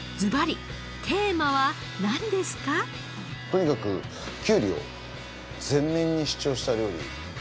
とにかくきゅうりを全面に主張した料理。